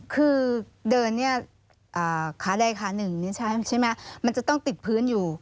คือเดินเนี่ยขาใดขาหนึ่งนี่ใช่ไหมมันจะต้องติดพื้นอยู่